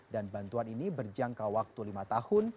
dan bantuan ini berjangka waktu lima tahun